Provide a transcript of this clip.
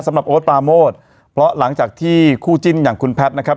โอ๊ตปาโมดเพราะหลังจากที่คู่จิ้นอย่างคุณแพทย์นะครับ